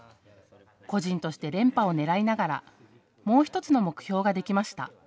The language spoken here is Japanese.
個人として連覇を狙いながらもう１つの目標ができました。